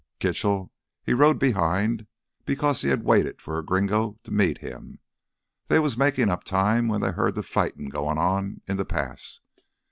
Kitchell, he rode behind because he had waited for a gringo to meet him. They was makin' up time when they heard th' fight goin' on in th' pass.